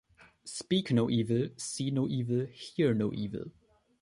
Speak no evil, see no evil, hear no evil.